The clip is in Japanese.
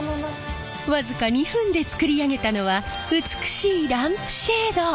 僅か２分で作り上げたのは美しいランプシェード！